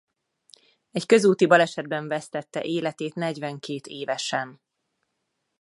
Egy közúti balesetben vesztette életét negyvenkét évesen.